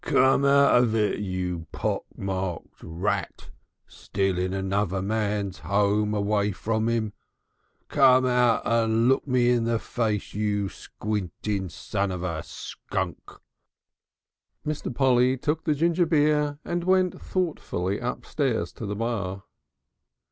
Come out of it you pock marked rat! Stealing another man's 'ome away from 'im! Come out and look me in the face, you squinting son of a Skunk!..." Mr. Polly took the ginger beer and went thoughtfully upstairs to the bar.